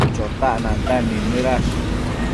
Chotac nantan nidnëdash